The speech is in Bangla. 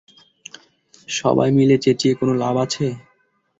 সবাই মিলে চেঁচিয়ে কোন লাভ আছে?